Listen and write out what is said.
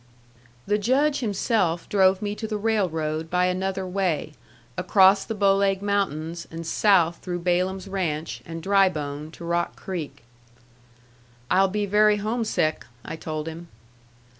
The Judge himself drove me to the railroad by another way across the Bow Leg Mountains, and south through Balaam's Ranch and Drybone to Rock Creek. "I'll be very homesick," I told him.